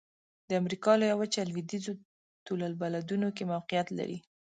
د امریکا لویه وچه لویدیځو طول البلدونو کې موقعیت لري.